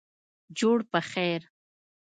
جوړ پخیر